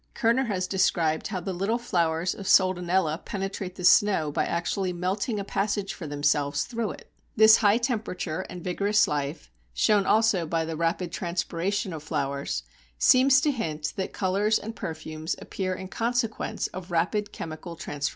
Kerner has described how the little flowers of Soldanella penetrate the snow by actually melting a passage for themselves through it (see p. 103). This high temperature and vigorous life, shown also by the rapid transpiration of flowers, seems to hint that colours and perfumes appear in consequence of rapid chemical transformations.